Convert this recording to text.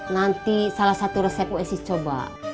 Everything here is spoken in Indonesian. nanti salah satu resep usi coba